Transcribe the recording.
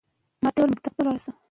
مور وویل چې درس مه هېروه.